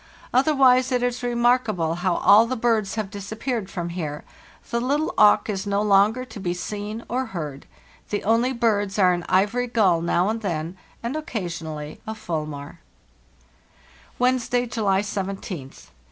Otherwise it is remarkable how all the birds have disappeared from here. The little auk is no longer to be seen or heard; the only birds are an ivory gull now and then, and occasionally a fulmar. "Wednesday, July 17th.